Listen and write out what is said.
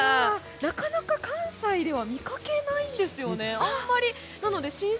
なかなか関西では見かけないんですよね。